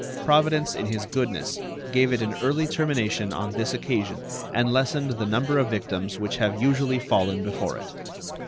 Providence in His goodness gave it an early termination on this occasion and lessened the number of victims which have usually fallen before it.